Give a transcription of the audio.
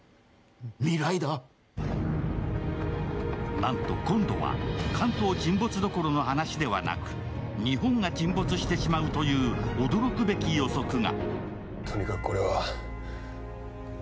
なんと今度は関東沈没どころの話ではなく、日本が沈没してしまうという驚きの予測が。